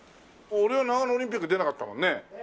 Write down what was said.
俺は長野オリンピックに出なかったもんね？